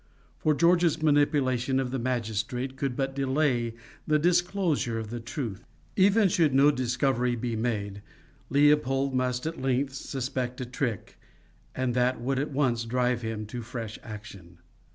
For George's manipulation of the magistrate could but delay the disclosure of the truth; even should no discovery be made, Leopold must at length suspect a trick, and that would at once drive him to fresh action.